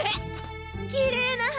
きれいな花！